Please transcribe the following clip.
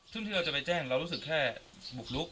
ซึ่งที่เราจะไปแจ้งเรารู้สึกแค่บุกลุก